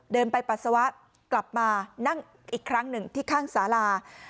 เดินไปปัสสาวะกลับมานั่งอีกครั้งหนึ่งที่ข้างสารา